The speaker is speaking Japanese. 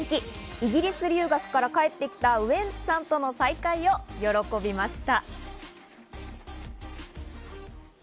イギリス留学から帰ってきたウエンツさんとの再会を喜びました。